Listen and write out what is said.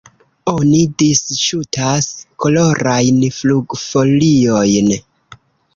Oni disŝutas kolorajn flugfoliojn.